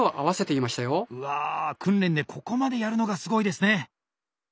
うわ訓練でここまでやるのがすごいですね。